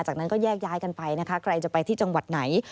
จากนั้นก็แยกย้ายกันไปนะคะใครจะไปที่จังหวัดไหน